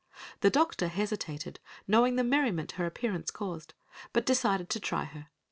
The doctor hesitated, knowing the merriment her appearance caused, but decided to try her.